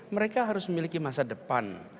mereka harus memiliki masa depan